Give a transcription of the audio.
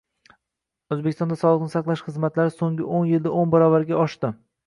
O‘zbekistonda sog‘liqni saqlash xizmatlari so‘nggio´nyildao´n uchbaravarga oshdi